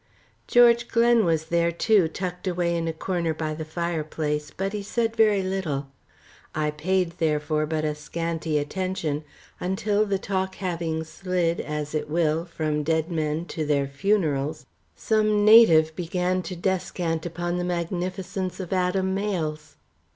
George Glen was there too, tucked away in a corner by the fireplace, but he said very little. I paid, therefore, but a scanty attention, until, the talk having slid, as it will, from dead men to their funerals, some native began to descant upon the magnificence of Adam Mayle's.